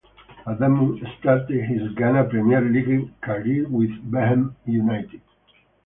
Adamu started his Ghana Premier League career with Bechem United.